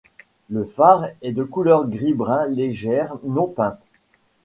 Le phare est de couleur gris-brun légère non peinte.